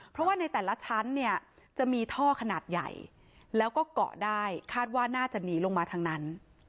เพราะว่าในแต่ละชั้นเนี่ยจะมีท่อขนาดใหญ่แล้วก็เกาะได้คาดว่าน่าจะหนีลงมาทางนั้น